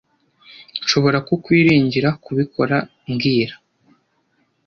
Nshobora kukwiringira kubikora mbwira